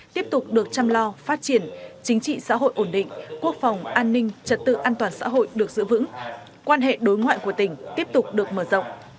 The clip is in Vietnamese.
tiếp tục được chăm lo phát triển chính trị xã hội ổn định quốc phòng an ninh trật tự an toàn xã hội được giữ vững quan hệ đối ngoại của tỉnh tiếp tục được mở rộng